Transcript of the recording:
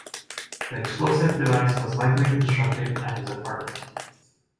The explosive device was likely constructed at his apartment.